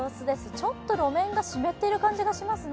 ちょっと路面が湿ってる感じがしますね。